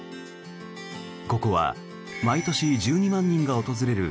ここは毎年１２万人が訪れる